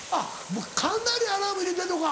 もうかなりアラーム入れてんのか。